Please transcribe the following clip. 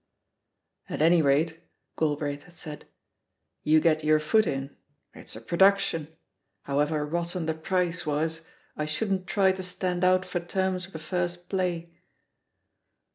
"At any rate," Galbraith had said, "you get your foot in — ^it's a production. However rotten the price was, I shouldn't try to stand out for terms with a first play.'